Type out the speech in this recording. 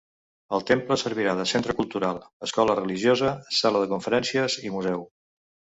El temple servirà de centre cultural, escola religiosa, sala de conferències i museu.